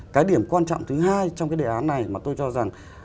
cái điểm quan trọng thứ hai trong cái đề án này mà tôi cho rằng